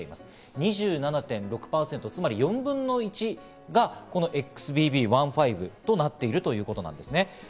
２７．６％、つまり４分の１がこのＸＢＢ．１．５となっているということですね。